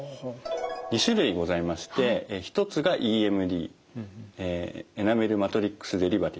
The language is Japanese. ２種類ございまして一つがＥＭＤエナメルマトリックスデリバティブですね。